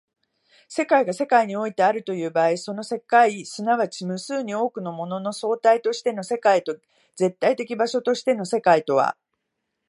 世界が世界においてあるという場合、その世界即ち無数に多くのものの総体としての世界と絶対的場所としての世界とは